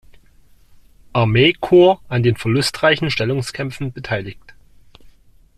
Armee-Korps an den verlustreichen Stellungskämpfen beteiligt.